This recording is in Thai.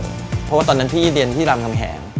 เพราะว่าตอนนั้นพี่เรียนที่รามคำแหง